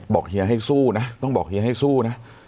เฮียให้สู้นะต้องบอกเฮียให้สู้นะ